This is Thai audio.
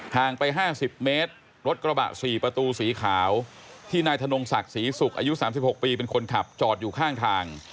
ไป๕๐เมตรรถกระบะ๔ประตูสีขาวที่นายธนงศักดิ์ศรีศุกร์อายุ๓๖ปีเป็นคนขับจอดอยู่ข้างทาง